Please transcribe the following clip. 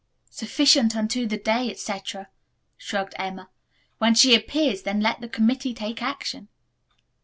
"Sufficient unto the day, etc.," shrugged Emma. "When she appears, then let the committee take action."